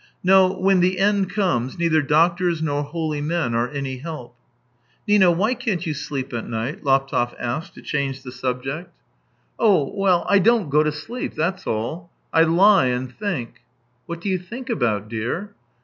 " No, when the end comes, neither doctors nor holy men are any help." " Nina, why can't you sleep at night ?" Laptev asked, to change the subject. i86 THE TALES OF TCHEHOV " Oh, well, I don't go to sleep — that's all. I lie and think." " What do you think about, dear